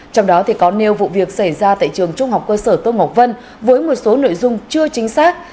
trong đó có nêu vụ việc xảy ra tại trường trung học cơ sở tôn ngọc vân với một số nội dung chưa chính xác